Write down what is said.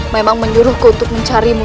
memang menyuruhku untuk mencari aku